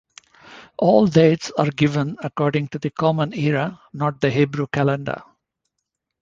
All dates are given according to the Common Era, not the Hebrew calendar.